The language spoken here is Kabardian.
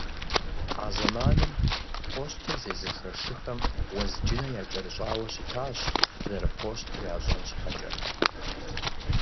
А зэманым пощтыр зезышэ шыхэм уэзджынэ якӏэрыщӏауэ щытащ, зэрыпощтыр ящӏэн щхьэкӏэ.